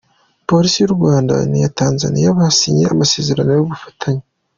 Polisi y’u Rwanda n’iya Tanzaniya basinye amasezerano y’ubufatanye